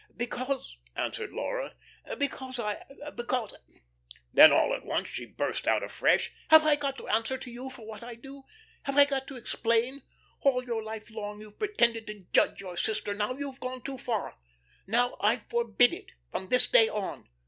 "Because," answered Laura, "because I because " Then all at once she burst out afresh: "Have I got to answer to you for what I do? Have I got to explain? All your life long you've pretended to judge your sister. Now you've gone too far. Now I forbid it from this day on.